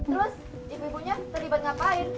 terus ibu ibunya terlibat ngapain